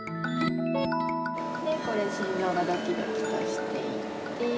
でこれ心ぞうがドキドキとしていて。